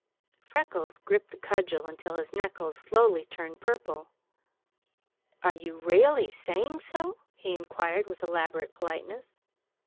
Freckles gripped the cudgel until his knuckles slowly turned purple. "And are you railly saying so?" he inquired with elaborate politeness.